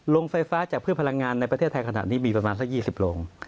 โรงไฟฟ้าจากพืชพลังงานในประเทศไทยขณะนี้มีประมาณสัก๒๐โรง